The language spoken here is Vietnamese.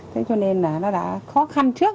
thế cho nên là nó đã khó khăn trước